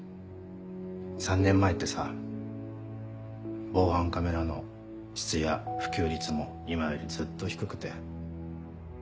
３年前ってさ防犯カメラの質や普及率も今よりずっと低くて。